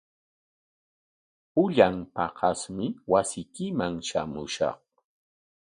Pullan paqasmi wasiykiman shamushaq.